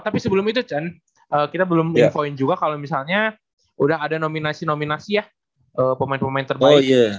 tapi sebelum itu cen kita belum infoin juga kalau misalnya udah ada nominasi nominasi ya pemain pemain terbaik